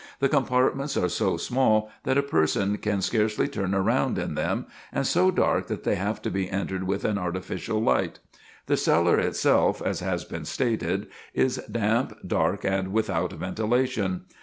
The compartments are so small that a person can scarcely turn round in them, and so dark that they have to be entered with an artificial light. The cellar itself, as has been stated, is damp, dark, and without ventilation.